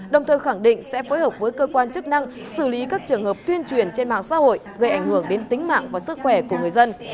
đồng thời khẳng định sẽ phối hợp với cơ quan chức năng xử lý các trường hợp tuyên truyền trên mạng xã hội gây ảnh hưởng đến tính mạng và sức khỏe của người dân